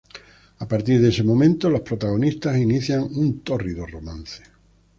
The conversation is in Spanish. A partir de este momento, los protagonistas inician un tórrido romance.